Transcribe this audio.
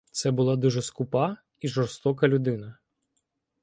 Це була дуже скупа і жорстока людина.